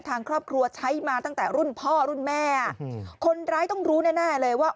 ทางครอบครัวใช้มาตั้งแต่รุ่นพ่อรุ่นแม่คนร้ายต้องรู้แน่แน่เลยว่า